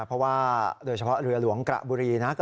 เพราะว่าโดยเฉพาะเรือหลวงกระบุรีนะ